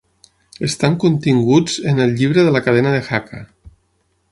Estan continguts en el Llibre de la Cadena de Jaca.